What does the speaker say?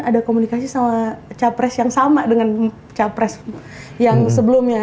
ada komunikasi sama capres yang sama dengan capres yang sebelumnya